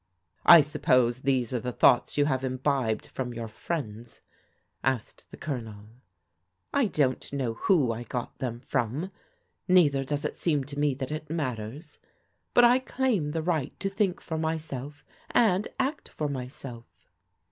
" I suppose these are the thoughts you have imbibed from your friends ?" asked the Colonel. " I don't know who I got them from, neither does it seem to me that it matters. But I claim the right to think for myself, and act for myself."